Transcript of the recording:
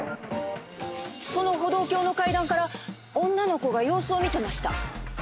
その歩道橋の階段から女の子が様子を見てました。